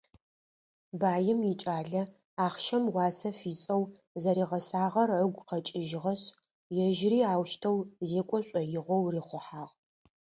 Баим икӏалэ ахъщэм уасэ фишӏэу зэришӏыгъагъэр ыгу къэкӏыжьыгъэшъ, ежьыри аущтэу зекӏо шӏоигъоу рихъухьагъ.